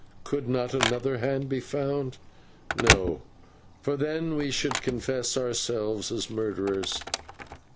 Could not another hand be found? No; for then we should confess ourselves as murderers.